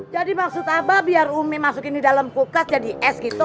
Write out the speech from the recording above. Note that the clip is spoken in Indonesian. jadi maksud abah biar ummi masukin di dalam kulkas jadi es gitu